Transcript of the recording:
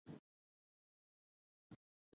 غریب د خپلو ماشومانو لپاره هر څه زغمي